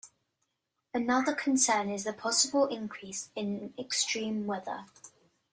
Another concern is a possible increase in extreme weather.